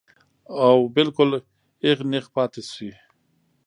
او بالکل اېغ نېغ پاتې شي -